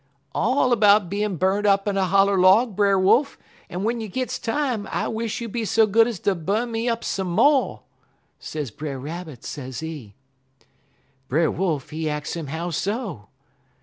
"'All about bein' burnt up in a holler log, Brer Wolf, en w'en you gits time I wish you be so good ez ter bu'n me up some mo',' sez Brer Rabbit, sezee. "Brer Wolf, he ax 'im how so.